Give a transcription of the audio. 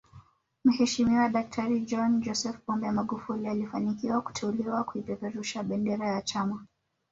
Mheshimiwa daktari John Joseph Pombe Magufuli alifanikiwa kuteuliwa kuipeperusha bendera ya chama